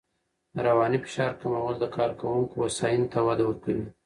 د رواني فشار کمول د کارکوونکو هوساینې ته وده ورکوي.